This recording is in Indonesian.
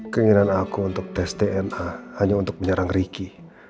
keinginan aku untuk tes dna hanya untuk menyerang riki